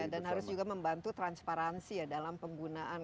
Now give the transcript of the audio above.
dan harus juga membantu transparansi ya dalam penggunaan